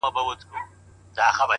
قتل شوى هر محراب زه تمثيل د زنکدن